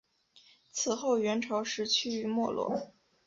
此后元朝时趋于没落。